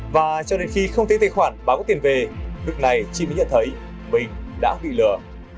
và cho đến khi không thấy tài khoản báo có tiền về việc này chị mới nhận thấy mình đã bị lừa